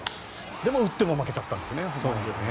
でも、打っても負けちゃったんですね。